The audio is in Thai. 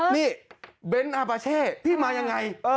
นี่เบ้นอาปาเช่พี่มายังไง